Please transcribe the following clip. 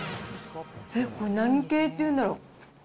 これ、何系っていうんだろう。